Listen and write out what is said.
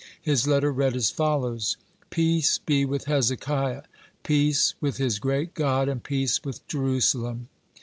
His letter read as follows: "Peace be with Hezekiah, peace with his great God, and peace with Jerusalem."